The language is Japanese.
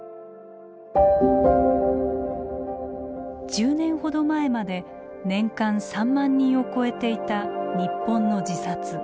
１０年ほど前まで年間３万人を超えていた日本の自殺。